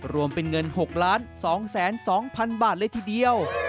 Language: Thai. รวมเป็นเงิน๖๒๒๐๐๐บาทเลยทีเดียว